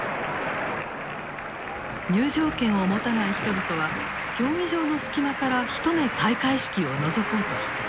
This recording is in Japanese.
入場券を持たない人々は競技場の隙間から一目開会式をのぞこうとした。